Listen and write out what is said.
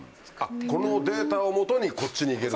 このデータを基にこっちに行ける。